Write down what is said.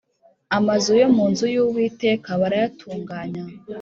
Amazu yo mu nzu y uwiteka barayatunganya